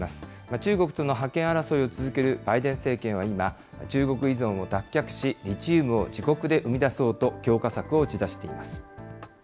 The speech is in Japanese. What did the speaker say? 中国との覇権争いを続けるバイデン政権は今、中国依存を脱却し、リチウムを自国で生み出そうと、強化策を打ち出しています。